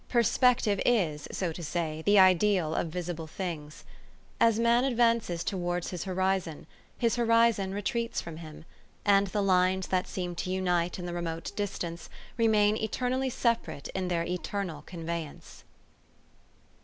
Perspective is, so to say, the ideal of visible things. ... As man advances towards his horizon, his horizon retreats from him, and the lines that seem to unite in the remote distance, remain eternally separate in their eternal convey ance."